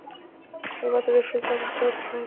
هېواد ته د ښځو حق ورکول پکار دي